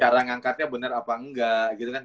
cara ngangkatnya benar apa enggak gitu kan